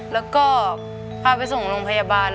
แล้วก็พาไปส่งโรงพยาบาล